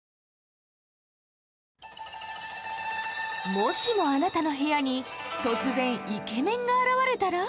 もしもあなたの部屋に突然イケメンが現れたら？